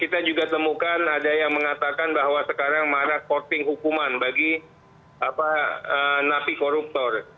kita juga temukan ada yang mengatakan bahwa sekarang marah sporting hukuman bagi napi koruptor